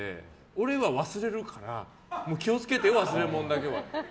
俺は忘れるから、気を付けてよ忘れ物だけはって。